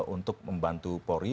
untuk membantu polri